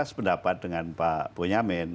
sependapat dengan pak bunyamin